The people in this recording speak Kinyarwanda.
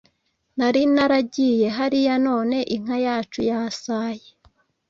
nari naragiye hariya none, inka yacu yasaye.